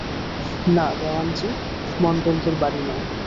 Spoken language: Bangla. না দেওয়ানজি, মণ্ডলদের বাড়ি নয়।